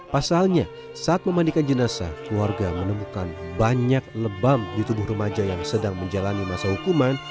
pasalnya saat memandikan jenazah keluarga menemukan banyak lebam di tubuh remaja yang sedang menjalani masa hukuman